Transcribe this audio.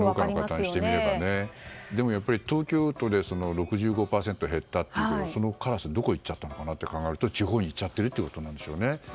東京都で６５％減ったというのはそのカラスはどこへ行っちゃったのかなと考えると地方に行っちゃっているということなんでしょうね。